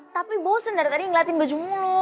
tapi bosen dari tadi ngeliatin baju mulu